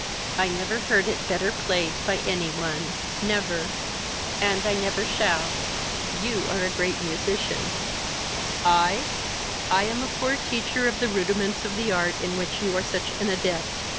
I never heard it better played by any one never! and I never shall. You are a great musician. I? I am a poor teacher of the rudiments of the art in which you are such an adept.